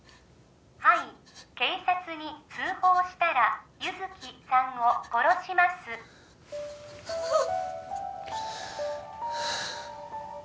はい警察に通報したら優月さんを殺しますああ